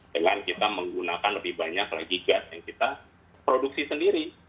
dengan kita menggunakan lebih banyak lagi gas yang kita produksi sendiri